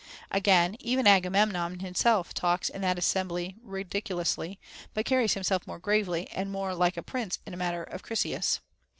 Again, even Agamemnon himself talks in that assembly ridicu lously, but carries himself more gravely and more like a prince in the matter of Chryseis.